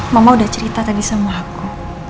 mama udah cerita tadi sama aku